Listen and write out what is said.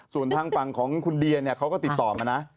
ส่วนทางฝั่งของคุณเดียเนี่ยเขาก็ติดต่อมานะ